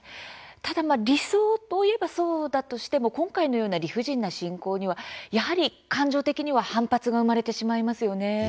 ただ、理想といえばそうだとしても今回のような理不尽な侵攻にはやはり感情的には反発が生まれてしまいますよね。